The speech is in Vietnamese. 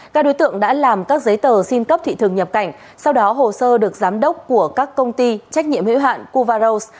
các đối tượng đã làm các giấy tờ xin cấp thị thực nhập cảnh sau đó hồ sơ được giám đốc của các công ty trách nhiệm hiệu hạn cuva rose